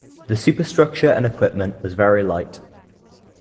The superstructure and equipment was very light.